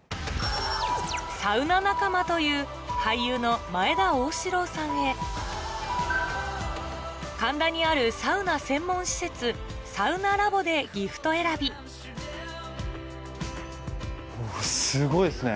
サウナ仲間という俳優の前田旺志郎さんへ神田にあるサウナ専門施設サウナラボでギフト選びすごいっすね